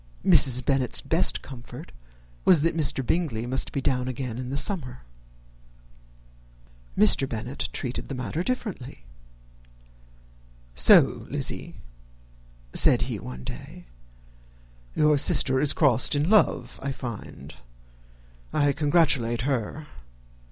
Mrs. Bennet's best comfort was, that Mr. Bingley must be down again in the summer. Mr. Bennet treated the matter differently. "So, Lizzy," said he, one day, "your sister is crossed in love, I find. I congratulate her.